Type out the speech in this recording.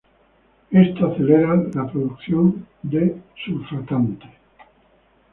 Esto acelera la producción de surfactante.